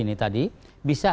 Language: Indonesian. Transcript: ini tadi bisa